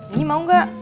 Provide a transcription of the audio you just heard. ini mau gak